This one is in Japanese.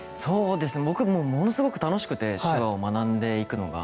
僕、ものすごく楽しくて手話を学んでいくのが。